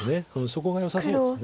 そこがよさそうです。